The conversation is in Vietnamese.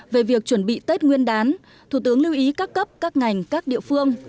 về việc chuẩn bị tết nguyên đán thủ tướng lưu ý các cấp các ngành các địa phương